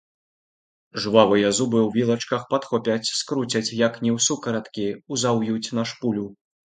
Жвавыя зубы ў вілачках падхопяць, скруцяць як ні ў сукараткі, узаўюць на шпулю.